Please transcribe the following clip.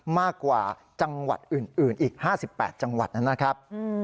มากกว่าจังหวัดอื่นอีก๕๘จังหวัดนะครับ